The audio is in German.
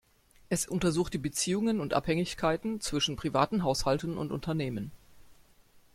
Es untersucht die Beziehungen und Abhängigkeiten zwischen privaten Haushalten und Unternehmen.